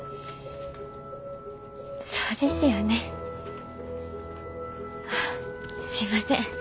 そうですよねすいません